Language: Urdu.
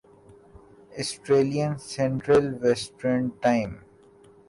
Australian central western time